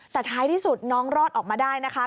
แต่ท้ายที่สุดน้องรอดออกมาได้นะคะ